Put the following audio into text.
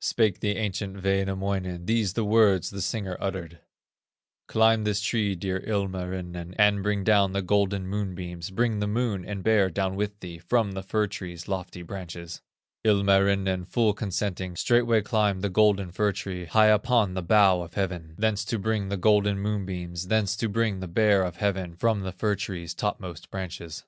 Spake the ancient Wainamoinen:, These the words the singer uttered: "Climb this tree, dear Ilmarinen, And bring down the golden moonbeams, Bring the Moon and Bear down with thee From the fir tree's lofty branches." Ilmarinen, full consenting, Straightway climbed the golden fir tree, High upon the bow of heaven, Thence to bring the golden moonbeams, Thence to bring the Bear of heaven, From the fir tree's topmost branches.